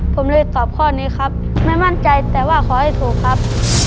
ผมเลยตอบข้อนี้ครับไม่มั่นใจแต่ว่าขอให้ถูกครับ